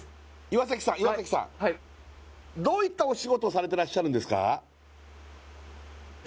岩さん岩さんどういったお仕事をされてらっしゃるんですか？